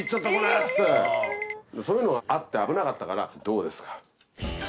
そういうのがあって危なかったからどうですか。